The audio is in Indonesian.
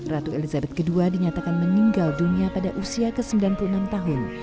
ratu elizabeth ii dinyatakan meninggal dunia pada usia ke sembilan puluh enam tahun